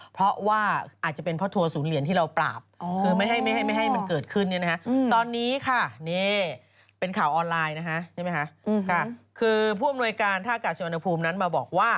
ปากน้องรถเมนเนี่ยปากแดงมากปากแดงมาก